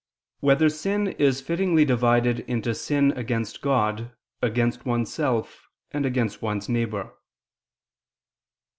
4] Whether Sin Is Fittingly Divided into Sin Against God, Against Oneself, and Against One's Neighbor?